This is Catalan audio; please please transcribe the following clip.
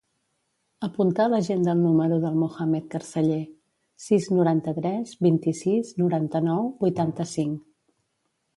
Apunta a l'agenda el número del Mohammed Carceller: sis, noranta-tres, vint-i-sis, noranta-nou, vuitanta-cinc.